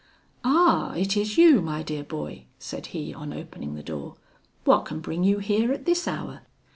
'Ah! it is you, my dear boy,' said he on opening the door; 'what can bring you here at this hour?'